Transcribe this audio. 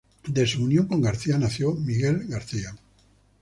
De su unión con García nació Migue García.